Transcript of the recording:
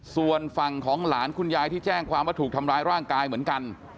ส่วนฝั่งของหลานคุณยายที่แจ้งความว่าถูกทำร้ายร่างกายเหมือนกัน